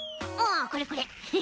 これこれ。